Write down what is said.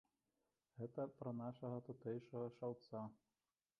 Гэта пра нашага тутэйшага шаўца.